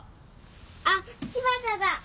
あっ柴田だ。